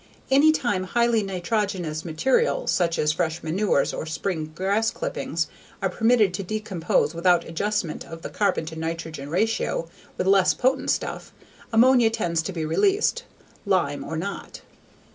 Any time highly nitrogenous material, such as fresh manures or spring grass clippings, are permitted to decompose without adjustment of the carbon to nitrogen ratio with less potent stuff, ammonia tends to be released, lime or not.